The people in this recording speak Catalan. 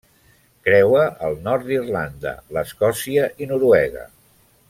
Creua el nord d'Irlanda, l'Escòcia i Noruega.